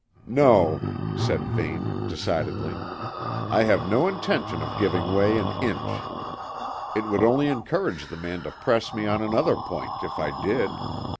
"No," said Vane decidedly. "I have no intention of giving way an inch. It would only encourage the man to press me on another point, if I did.